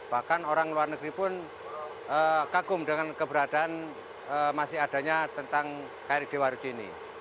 bahkan orang luar negeri pun kagum dengan keberadaan masih adanya tentang kri dewa ruchi ini